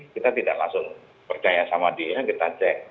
kita tidak langsung percaya sama dia kita cek